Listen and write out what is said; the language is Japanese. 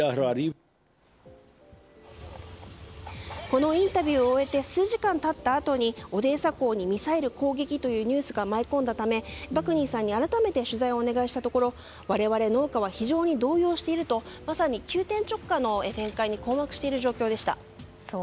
このインタビューを終えて数時間経ったあとにオデーサ港にミサイル攻撃というニュースが舞い込んだためバクニーさんに改めて取材をお願いしたところ我々農家は非常に動揺しているとまさに急転直下の状況に困惑している状況でした。